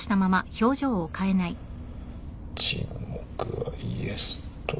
沈黙はイエスと。